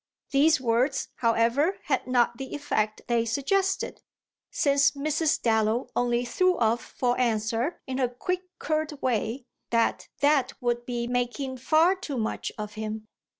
These words, however, had not the effect they suggested, since Mrs. Dallow only threw off for answer, in her quick curt way, that that would be making far too much of him.